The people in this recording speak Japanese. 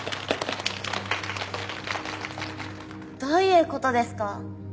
どういうことですか？